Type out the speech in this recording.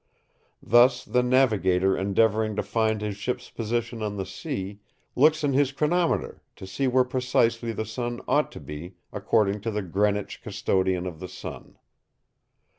Thus, the navigator endeavouring to find his ship's position on the sea, looks in his chronometer to see where precisely the sun ought to be according to the Greenwich custodian of the sun.